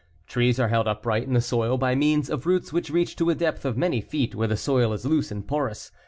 Trees are held upright in the soil by means of roots which reach to a depth of many feet where the soil is loose and porous.